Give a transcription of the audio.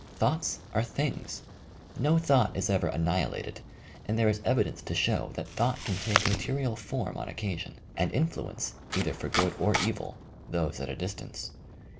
Thoughts are things ! No thought is ever annihilated, and there is evidence to show that thought can take ma terial form on occasion, and influence, either for good or evil, those at a distance.